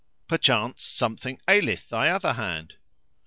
Perchance something aileth thy other hand?"